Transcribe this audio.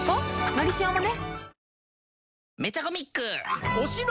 「のりしお」もね